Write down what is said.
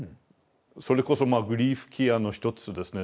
それこそグリーフケアの一つですね。